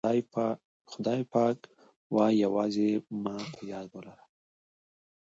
خدای پاک وایي یوازې ما په یاد ولره.